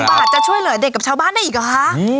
บาทจะช่วยเหลือเด็กกับชาวบ้านได้อีกเหรอคะ